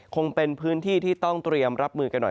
คงเป็นพื้นที่ที่ต้องเตรียมรับมือกันหน่อย